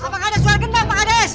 pak kades suara geng pak kades